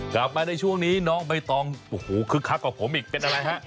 กลับมาในช่วงนี้น้องใบตองโอ้โหคึกคักกว่าผมอีกเป็นอะไรฮะ